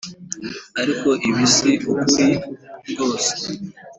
ariko ibi si ukuri rwose